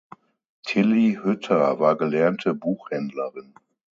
Tilly Hütter war gelernte Buchhändlerin.